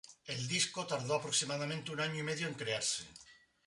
El disco tardó aproximadamente un año y medio en crearse.